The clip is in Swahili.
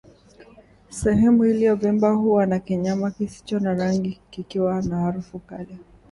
Sehemu iliyovimba huwa na kinyama kisicho na rangi kikiwa na harufu kali